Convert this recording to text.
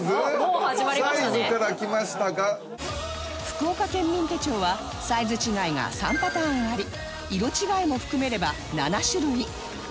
福岡県民手帳はサイズ違いが３パターンあり色違いも含めれば７種類